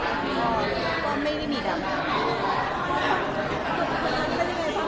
แต่เราก็ไม่ได้มีอะไรเพราะว่า